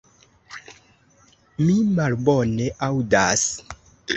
Mi malbone aŭdas.